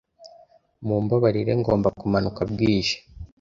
Mumbabarire, ngomba kumanuka bwije